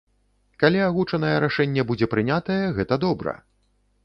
Калі агучанае рашэнне будзе прынятае, гэта добра.